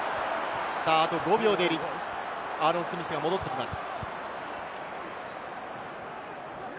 あと５秒でアーロン・スミスが戻ってきます。